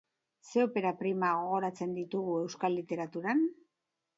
Ze opera prima gogoratzen ditugu euskal literaturan?